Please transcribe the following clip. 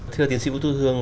thưa tiến sĩ vũ thu thương